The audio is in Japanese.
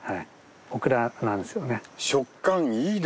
オクラなんですよね。